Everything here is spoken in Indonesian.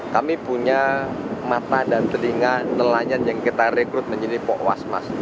kami punya mata dan telinga nelayan yang kita rekrut menjadi pok wasmas